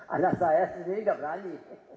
anak saya sendiri tidak berani